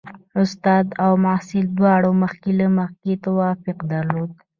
استاد او محصل دواړو مخکې له مخکې توافق درلود.